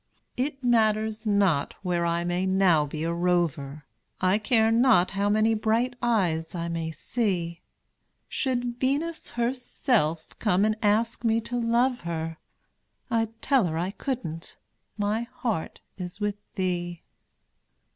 It matters not where I may now be a rover, I care not how many bright eyes I may see; Should Venus herself come and ask me to love her, I'd tell her I couldn't my heart is with thee.